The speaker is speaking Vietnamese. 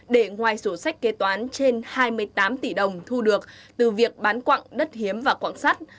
để ngoài sổ sách kế toán trên hai mươi tám tỷ đồng thu được từ việc bán quạng đất hiếm và quạng sắt